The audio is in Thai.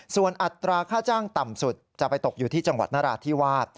ส่วนอัตราค่าจ้างต่ำสุดจะไปตกอยู่ที่จังหวัดนราธิวาส